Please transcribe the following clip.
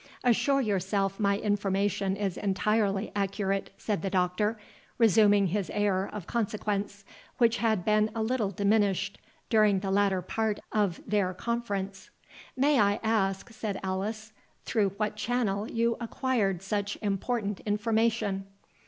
"Assure yourself my information is entirely accurate," said the Doctor, resuming his air of consequence, which had been a little diminished during the latter part of their conference. "May I ask," said Alice, "through what channel you acquired such important information?"